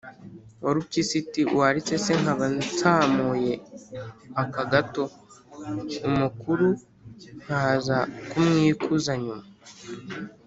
warupyisi iti: “waretse se nkaba nsamuye aka gato, umukuru nkaza kumwikuza nyuma?